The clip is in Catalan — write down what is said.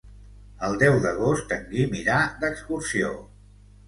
El deu d'agost en Guim irà d'excursió.